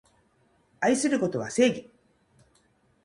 愛することは正義